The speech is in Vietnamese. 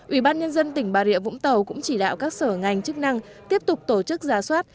ủy ban nhân dân tỉnh bà rịa vũng tàu cũng chỉ đạo các sở ngành chức năng tiếp tục tổ chức ra soát